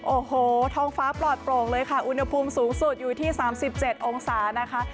โอ้โหท้องฟ้าปลอดโปร่งเลยค่ะอุณหภูมิสูงสุดอยู่ที่๓๗องศานะคะ